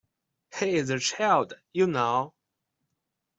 He is a child, you know!